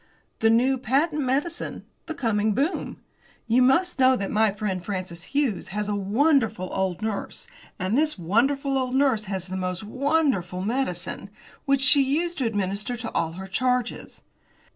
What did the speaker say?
"The new patent medicine the coming boom. You must know that my friend Francis Hughes has a wonderful old nurse, and this wonderful old nurse has the most wonderful medicine, which she used to administer to all her charges.